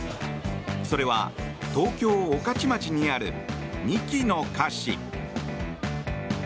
それは、東京・御徒町にある二木の菓子。